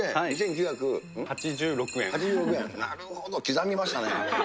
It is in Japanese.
８６円、なるほど、刻みましたね。